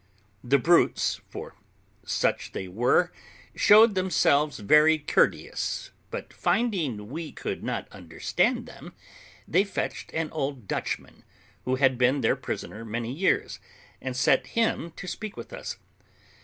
The brutes, for such they were, showed themselves very courteous; but finding we could not understand them, they fetched an old Dutchman, who had been their prisoner many years, and set him to speak to us.